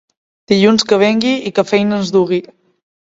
Dilluns que vingui i que feina ens dugui.